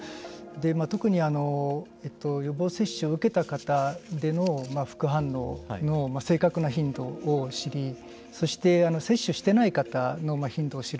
特に、予防接種を受けた方での副反応の正確な頻度を知りそれして接種していない方の頻度を知る。